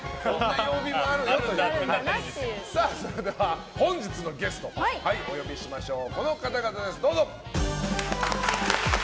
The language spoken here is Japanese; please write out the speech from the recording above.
それでは本日のゲストお呼びしましょう。